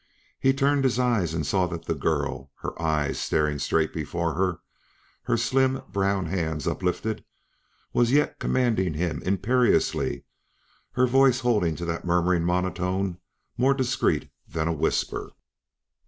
He turned his eyes and saw that the girl, her eyes staring straight before her, her slim, brown hands uplifted, was yet commanding him imperiously, her voice holding to that murmuring monotone more discreet than a whisper.